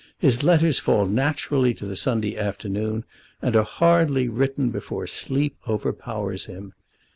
His letters fall naturally to the Sunday afternoon, and are hardly written before sleep overpowers him.